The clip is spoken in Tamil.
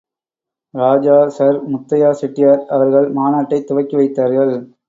ராஜா சர் முத்தையா செட்டியார் அவர்கள் மாநாட்டைத் துவக்கிவைத்தார்கள்.